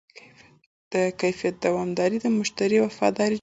د کیفیت دوامداري د مشتری وفاداري جوړوي.